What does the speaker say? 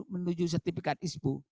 menuju sertifikat ispu